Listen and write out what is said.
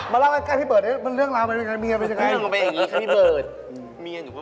มาเล่าให้ใกล้พี่เบิร์ดเรื่องราวมันกับเมียเป็นยังไง